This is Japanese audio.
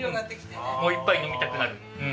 もう一杯飲みたくなる。